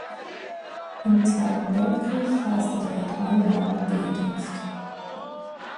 Im Zweiten Weltkrieg leistete er drei Jahre Wehrdienst.